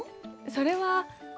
それは。